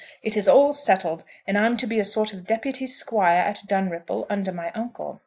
It is all settled, and I'm to be a sort of deputy Squire at Dunripple, under my uncle.